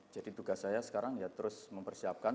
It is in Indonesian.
jadi tugas saya sekarang ya terus mempersiapkan